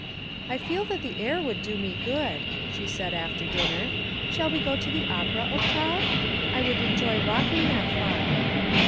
"I feel that the air would do me good," she said after dinner; "shall we go to the Opera, Octave? I would enjoy walking that far."